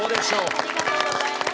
ありがとうございます。